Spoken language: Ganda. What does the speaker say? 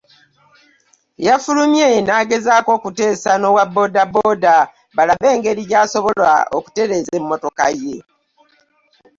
Yafulumye n'agezaako okuteesa n'owa booda booda balabe engeri gye basobola okutereeza emmotoka ye.